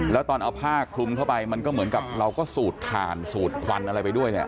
แล้วตอนเอาผ้าคลุมเข้าไปมันก็เหมือนกับเราก็สูดถ่านสูดควันอะไรไปด้วยเนี่ย